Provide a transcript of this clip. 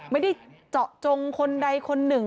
ไม่ได้เจาะจงคนใดคนหนึ่ง